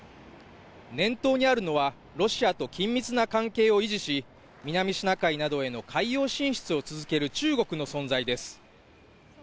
念頭にあるのは、ロシアと緊密な関係を維持し南シナ海などへの海洋進出を続ける中国の存在です。